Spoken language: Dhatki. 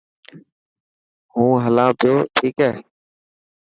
مون هلان پيو ٺيڪ هي.